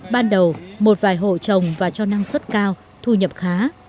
ban đầu một vài hộ trồng và cho năng suất cao thu nhập khá